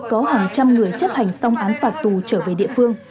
có hàng trăm người chấp hành xong án phạt tù trở về địa phương